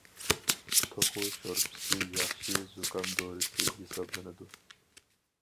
توخۇ شورپىسى ياخشى زۇكام دورىسى ھېسابلىنىدۇ.